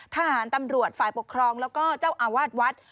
ทหารตำรวจฝ่ายปกครองแล้วก็เจ้าอาวาสวัด